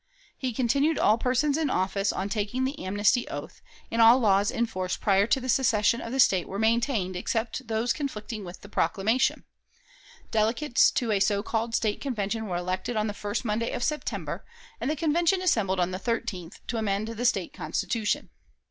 He continued all persons in office on taking the amnesty oath, and all laws in force prior to the secession of the State were maintained except those conflicting with the proclamation; delegates to a so called State Convention were elected on the first Monday of September, and the Convention assembled on the 13th to amend the State Constitution.